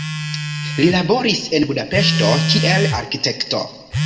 Li laboris en Budapeŝto kiel arkitekto.